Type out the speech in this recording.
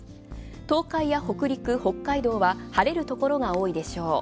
東海や北陸、北海道は、晴れるところが多いでしょう。